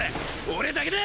俺だけだ！